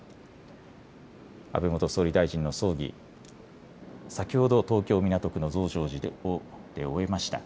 安倍元総理大臣の葬儀、先ほど東京港区の増上寺で終えました。